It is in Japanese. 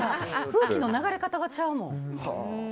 空気の流れ方がちゃうもん。